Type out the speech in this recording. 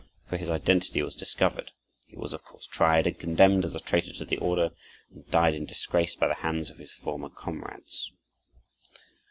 For his identity was discovered; he was, of course, tried and condemned as a traitor to the order, and died in disgrace by the hands of his former comrades.